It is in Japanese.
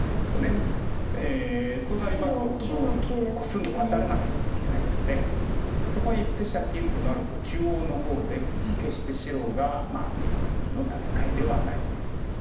白９の九ハネ。となりますとコスんでワタらなければいけないのでそこへいって借金となると中央の方で決して白が優位の戦いではない。